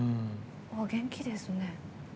元気ですね。